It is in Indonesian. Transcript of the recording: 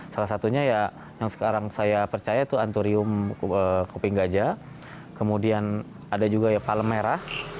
salah satunya yang sekarang saya percaya itu anturium kuping gajah kemudian ada juga palemera